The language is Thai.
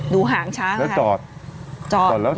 ดูหาหางช้างแล้วจอดจอดแล้วถ่าย